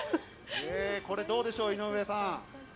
これ、どうでしょう井上さん。